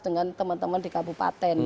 dengan teman teman di kabupaten